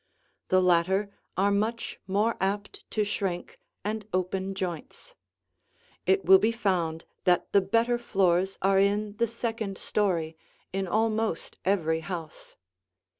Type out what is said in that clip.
The latter are much more apt to shrink and open joints. It will be found that the better floors are in the second story in almost every house.